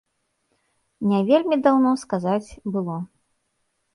Не вельмі даўно, сказаць, было.